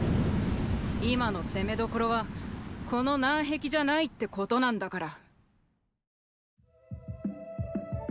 今の攻め所はこの南壁じゃないってことなんだから。